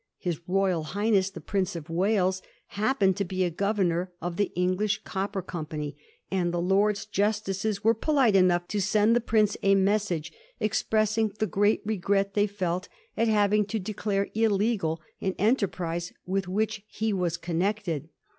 His Royal Highness the Prince of Wales happened to be a governor of the English Copper Company, and the Lords Justices were polite enough to send the Prince a message expressing the great regret they felt at having to declare illegal an enterprise with which he was connected.